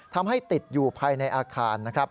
ทำให้ติดอยู่ภายในอาคารนะครับ